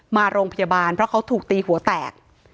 มาโรงพยาบาลเพราะเขาถูกตีหัวแตก